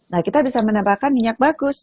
nah kita bisa menerapkan minyak bagus